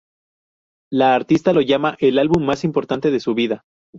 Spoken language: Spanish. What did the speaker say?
La artista lo llama "el álbum más importante de su vida".